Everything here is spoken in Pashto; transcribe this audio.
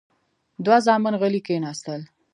دوه زامن غلي کېناستل.